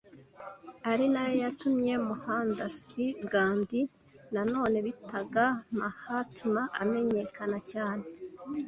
ari na yo yatumye Mohandas Gandhi nanone bitaga Mahatma, amenyekana cyane